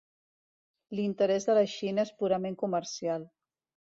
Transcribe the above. L'interès de la Xina és purament comercial.